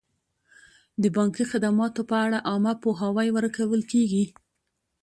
د بانکي خدماتو په اړه عامه پوهاوی ورکول کیږي.